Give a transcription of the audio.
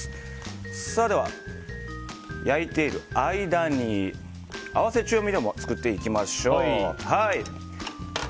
では、焼いている間に合わせ調味料を作っていきましょう。